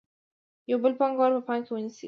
یو بل پانګوال په پام کې ونیسئ